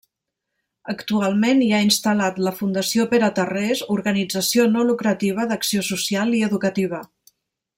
Actualment hi ha instal·lat la Fundació Pere Tarrés, organització no lucrativa d'acció social i educativa.